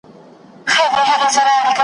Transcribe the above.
د اعدام پر وخت دیني عالم ته وویل شول: